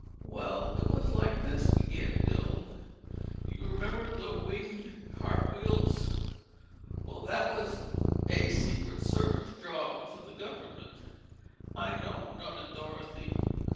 "Well, it was like this," began Bill. "You remember the Winged Cartwheels. Well that was a Secret Service job for the government." "I know," nodded Dorothy.